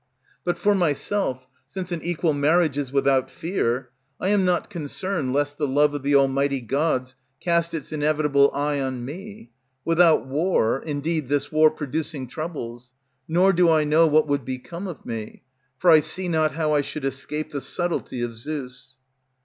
But for myself, since an equal marriage is without fear, I am not concerned lest the love of the almighty Gods cast its inevitable eye on me. Without war, indeed, this war, producing Troubles; nor do I know what would become of me; For I see not how I should escape the subtlety of Zeus.